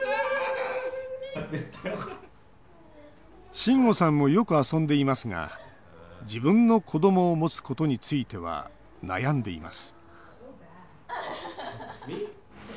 しんごさんもよく遊んでいますが自分の子どもを持つことについては悩んでいます